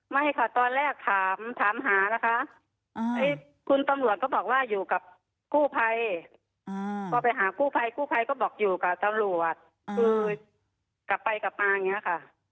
ไม่ค่ะตอนแรกถามหานะคะคุณตำรวจก็บอกว่าอยู่กับกู้ภัยพอไปหากู้ภัยกู้ภัยก็บอกอยู่กับตำรวจคือกลับไปกลับมาอย่างนี้ค่ะ